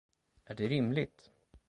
Är det rimligt?